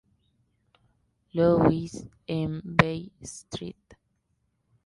Louis, en Bay St.